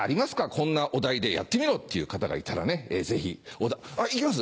「こんなお題でやってみろ」っていう方がいたらねぜひ。あっ行きます？